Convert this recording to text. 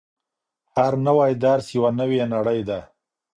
هر نوی درس یوه نوې نړۍ ده.